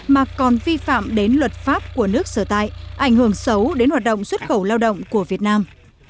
mà còn vi phạm đến luật pháp của nước sở tại ảnh hưởng xấu đến hoạt động xuất khẩu lao động của việt nam